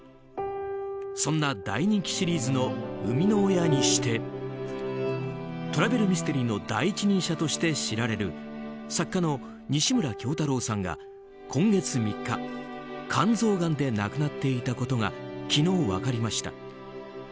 そんな大人気シリーズの生みの親にしてトラベルミステリーの第一人者として知られる作家の西村京太郎さんが今月３日肝臓がんで亡くなっていたことが昨日分かりました。